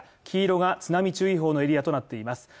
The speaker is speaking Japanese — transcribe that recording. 黄色が津波注意報のエリアとなっています。